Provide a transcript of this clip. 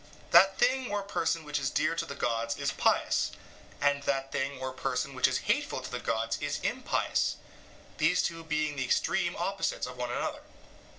That thing or person which is dear to the gods is pious, and that thing or person which is hateful to the gods is impious, these two being the extreme opposites of one another.